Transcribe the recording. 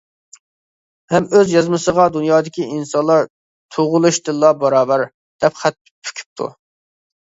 ھەم ئۆز يازمىسىغا «دۇنيادىكى ئىنسانلار تۇغۇلۇشىدىنلا باراۋەر. » دەپ خەت پۈكۈپتۇ.